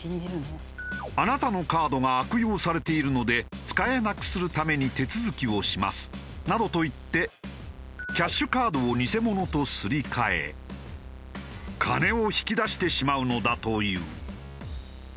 「あなたのカードが悪用されているので使えなくするために手続きをします」などと言ってキャッシュカードを偽物とすり替え金を引き出してしまうのだという。